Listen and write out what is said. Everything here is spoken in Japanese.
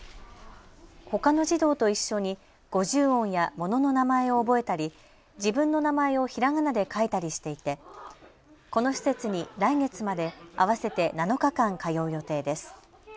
ほかの児童と一緒に五十音や物の名前を覚えたり自分の名前をひらがなで書いたりしていてこの施設に来月まで合わせて７日間、通う予定です。